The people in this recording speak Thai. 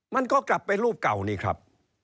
มันก็กลับไปรูปเก่านี่ครับ